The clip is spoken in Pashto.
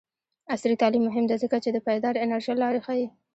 عصري تعلیم مهم دی ځکه چې د پایداره انرژۍ لارې ښيي.